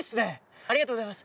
ありがとうございます。